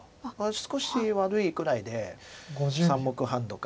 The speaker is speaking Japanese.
少し悪いくらいで３目半とか。